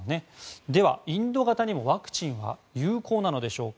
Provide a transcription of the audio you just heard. では、インド型にもワクチンは有効なのでしょうか？